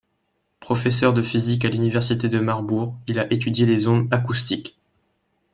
Professeur de physique à l'université de Marbourg, il a étudié les ondes acoustiques.